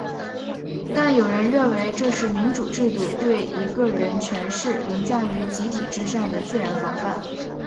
但有人认为这是民主制度对一个人权势凌驾于集体之上的自然防范。